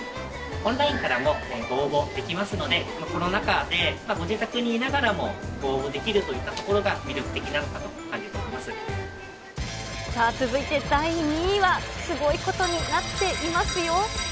オンラインからもご応募できますので、コロナ禍でご自宅にいながらも応募ができるといったところが魅力続いて第２位は、すごいことになっていますよ。